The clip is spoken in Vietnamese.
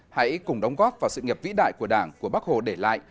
hãy cùng đóng góp vào sự nghiệp vĩ đại của đảng của bác hồ để lại